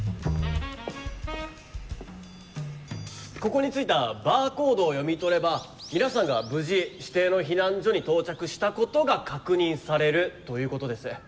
ここについたバーコードを読み取れば皆さんが無事指定の避難所に到着したことが確認されるということです。